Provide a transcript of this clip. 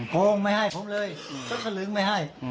โกงไม่ให้ผมเลยซึ่งก็ลืมไม่ให้